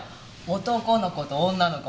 男の子と女の子。